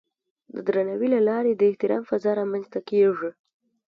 د درناوي له لارې د احترام فضا رامنځته کېږي.